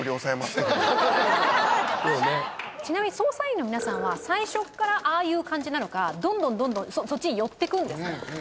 ちなみに捜査員の皆さんは最初っからああいう感じなのかどんどんどんどんそっちに寄っていくんですか？